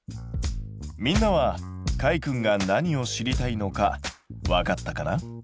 みんなはかいくんが何を知りたいのかわかったかな？